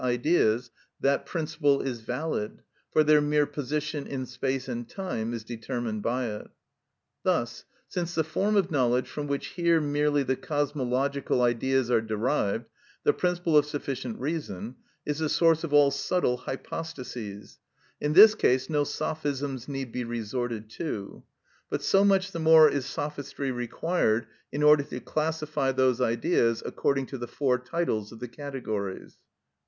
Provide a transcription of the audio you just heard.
_, ideas, that principle is valid, for their mere position in space and time is determined by it. Thus, since the form of knowledge from which here merely the cosmological Ideas are derived, the principle of sufficient reason, is the source of all subtle hypostases, in this case no sophisms need be resorted to; but so much the more is sophistry required in order to classify those Ideas according to the four titles of the categories.